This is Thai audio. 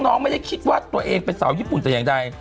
น้องไม่ได้คิดว่าตัวเองเป็นสาวญี่ปุ่นแต่อย่างใด